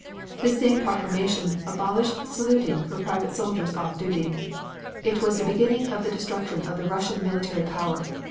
This same proclamation abolished saluting for private soldiers off duty. It was the beginning of the destruction of the Russian military power.